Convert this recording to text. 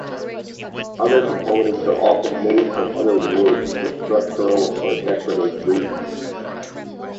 Other components are often made from other woods for structural or decorative reasons.